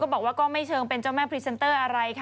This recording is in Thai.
ขว่าไม่เชิงเป็นเจ้าแม่พรีเซนเตอร์อะไร